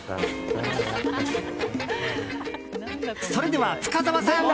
それでは深澤さん